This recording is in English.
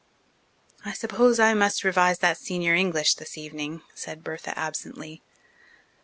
"I suppose I must revise that senior English this evening," said Bertha absently.